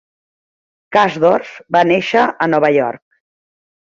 Kasdorf va néixer a Nova York.